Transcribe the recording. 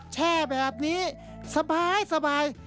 แช่แบบนี้สบาย